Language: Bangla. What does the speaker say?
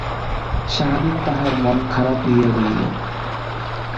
সারাদিন তাহার মন খারাপ হইয়া রহিল।